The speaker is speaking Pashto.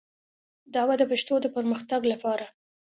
دا به د پښتو د پرمختګ لپاره